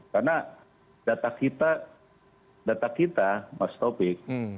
karena data kita data kita mas topik